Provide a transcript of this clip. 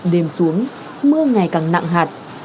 đêm xuống mưa ngày càng nặng hạt